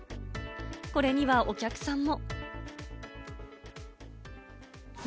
これにはお客さんも。